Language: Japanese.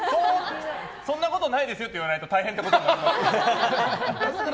そんなことないですよって言わないと大変ってことになるから。